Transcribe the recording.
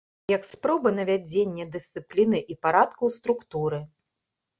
Як спробы навядзення дысцыпліны і парадку ў структуры.